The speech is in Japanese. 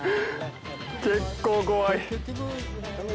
結構怖い。